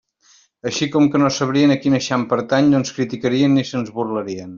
Així, com que no sabrien a quin eixam pertany, no ens criticarien ni se'ns burlarien.